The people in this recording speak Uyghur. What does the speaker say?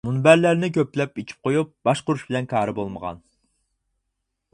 مۇنبەرلەرنى كۆپلەپ ئېچىپ قويۇپ باشقۇرۇش بىلەن كارى بولمىغان.